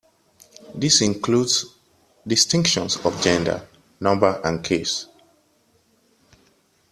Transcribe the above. This includes distinctions of gender, number and case.